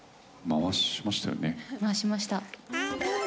回しました。